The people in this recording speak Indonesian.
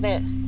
apa pak rt